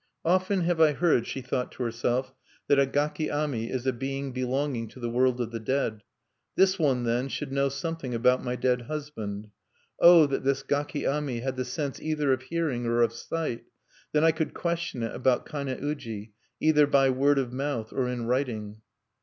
"Often have I heard," she thought to herself, "that a gaki ami is a being belonging to the world of the dead. This one, then, should know something about my dead husband. "Oh that this gaki ami had the sense either of hearing or of sight! Then I could question it about Kane uji, either by word of mouth or in writing."